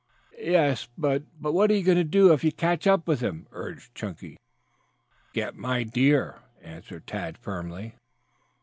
"Yes, but what are you going to do if you do catch up with him?" urged Chunky. "Get my deer," answered Tad firmly.